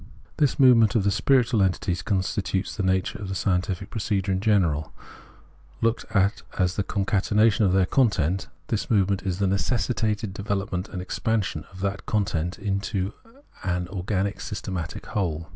This movement of the spiritual entities constitutes the nature of scientific procedure in general. Looked Preface 33 at as the concatenation of their content, this movement is the necessitated development and expansion of that content into an organic systematic whole.